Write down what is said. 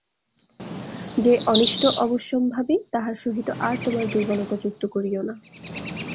যে অনিষ্ট অবশ্যম্ভাবী, তাহার সহিত আর তোমার দুর্বলতা যুক্ত করিও না।